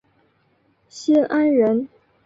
新安人。